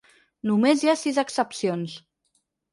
Només hi ha sis excepcions.